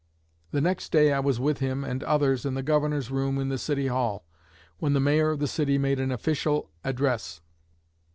The next day I was with him and others in the Governor's room in the City Hall, when the Mayor of the city made an official address.